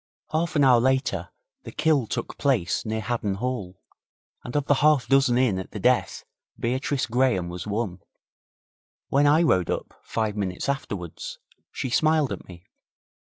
Half an hour later the kill took place near Haddon Hall, and of the half dozen in at the death Beatrice Graham was one. When I rode up, five minutes afterwards, she smiled at me.